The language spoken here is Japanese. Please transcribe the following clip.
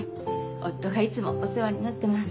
夫がいつもお世話になってます。